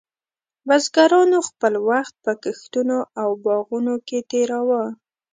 بزګرانو خپل وخت په کښتونو او باغونو کې تېراوه.